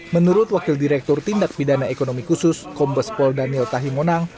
menurut wakil direktur tindak pidana ekonomi khusus kombes pol daniel tahimonang